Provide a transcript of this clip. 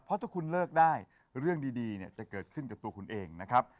เพราะถ้าคุณเลิกได้เรื่องดีเนี่ยจะเกิดขึ้นกับตัวคุณเองนะครับ